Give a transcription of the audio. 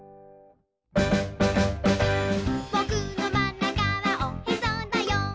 「ぼくのまんなかはおへそだよ」